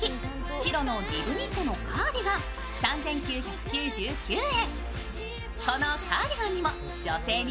白のリブニットのカーディガン、３９９０円。